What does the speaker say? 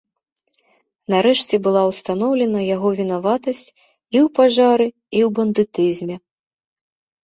Нарэшце была ўстаноўлена яго вінаватасць і ў пажары і ў бандытызме.